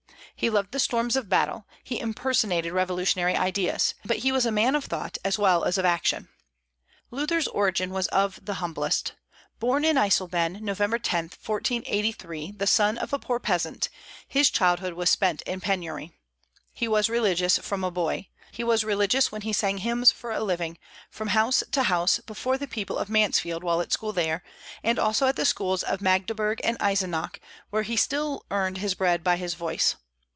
He loved the storms of battle; he impersonated revolutionary ideas. But he was a man of thought, as well as of action. Luther's origin was of the humblest. Born in Eisleben, Nov. 10, 1483, the son of a poor peasant, his childhood was spent in penury. He was religious from a boy. He was religious when he sang hymns for a living, from house to house, before the people of Mansfield while at school there, and also at the schools of Magdeburg and Eisenach, where he still earned his bread by his voice.